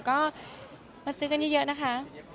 ก็มาซื้อกันเยอะนะคะ